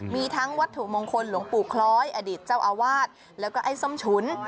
มีทั้งวัตถุมงคลหลวงปู่คล้อยอดีตเจ้าอาวาสแล้วก็ไอ้ส้มฉุน